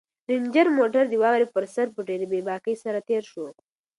رنجر موټر د واورې پر سر په ډېرې بې باکۍ سره تېر شو.